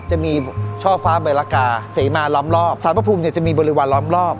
จะมีช่อฟ้าใบละกาเสมาล้อมรอบสารพระภูมิเนี่ยจะมีบริวารล้อมรอบ